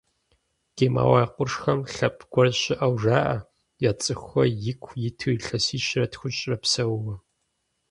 Гималай къуршхэм лъэпкъ гуэр щыӏэу жаӏэ, я цӏыхухэр ику иту илъэсищэрэ тхущӏрэ псэууэ.